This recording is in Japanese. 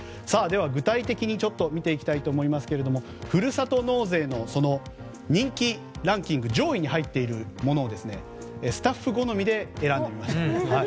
具体的に見ていきますがふるさと納税の人気ランキング上位に入ってるものをスタッフ好みで選んでみました。